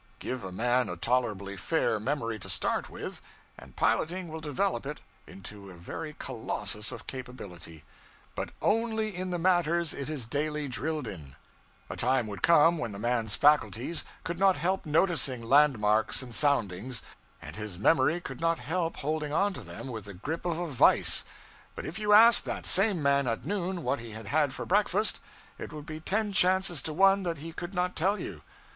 Give a man a tolerably fair memory to start with, and piloting will develop it into a very colossus of capability. But only in the matters it is daily drilled in. A time would come when the man's faculties could not help noticing landmarks and soundings, and his memory could not help holding on to them with the grip of a vise; but if you asked that same man at noon what he had had for breakfast, it would be ten chances to one that he could not tell you.